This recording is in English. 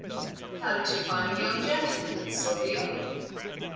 "How did you find the young gentlemen, Sylvia?"